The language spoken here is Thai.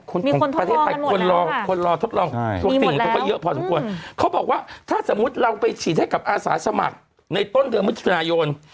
เขาบอกว่าถ้าสมมุติเราไปฉีดให้กับอาสาสมัครในต้นเดือนมธินายน